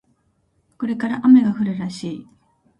これから雨が降るらしい